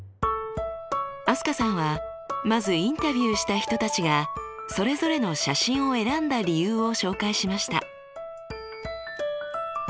飛鳥さんはまずインタビューした人たちがそれぞれの写真を選んだ理由を紹介しました。